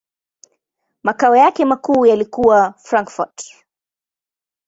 Makao yake makuu yalikuwa Frankfurt.